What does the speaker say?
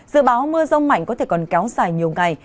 dự báo mưa rông mạnh có thể còn kéo dài nhiều ngày